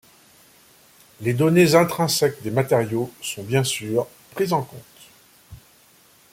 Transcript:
Les données intrinsèques des matériaux sont bien sur prises en compte.